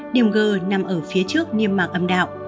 điểm g nằm ở phía trước niêm mạc âm đạo